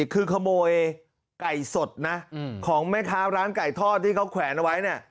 คือขโมยไก่สดนะของแม่ค้าร้านไก่ทอดที่เขาแขวนเอาไว้เนี่ย